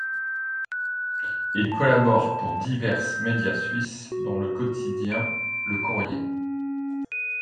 Il collabore pour divers médias suisses, dont le quotidien Le Courrier.